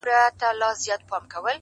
دوی به م زمونږ رنګې غلي غلي ژړیدل